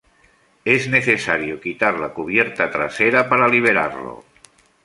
Es necesario quitar la cubierta trasera para liberarlo.